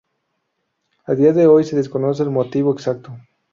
A día de hoy se desconoce el motivo exacto.